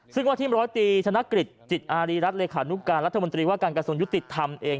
ซึ่งวันที่๑๐๐ตีชนะกริจจิตอารีรัฐรัฐรัฐมนตรีว่าการกระทรวงยุติธรรมเอง